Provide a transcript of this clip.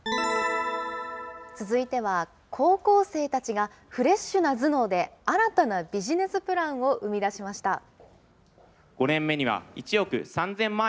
続いては高校生たちがフレッシュな頭脳で、新たなビジネスプランを生み出しました。